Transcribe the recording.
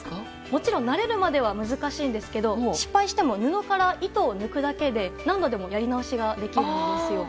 もちろん慣れるまでは難しいんですけど失敗しても布から糸を抜くだけで何度でもやり直しができるんです。